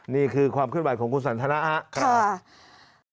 นี่คือความคุ้นบ่ายของคุณสันทนาะค่ะค่ะค่ะ